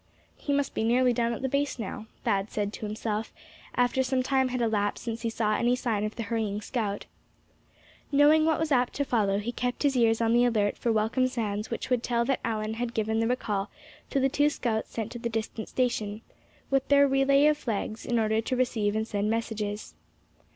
"He must be nearly down at the base now," Thad said to himself, after some time had elapsed since he saw any sign of the hurrying scout. Knowing what was apt to follow, he kept his ears on the alert for welcome sounds which would tell that Allan had given the recall to the two scouts sent to the distant station, with their relay of flags, in order to receive and send messages.